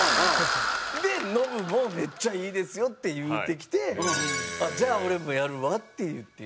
でノブも「めっちゃいいですよ」って言うてきて「じゃあ俺もやるわ」って言うて。